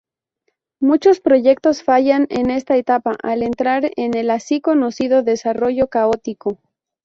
Muchos proyectos fallan en esta etapa al entrar en el así conocido desarrollo caótico.